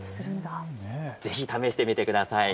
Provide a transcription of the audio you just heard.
ぜひ試してみてください。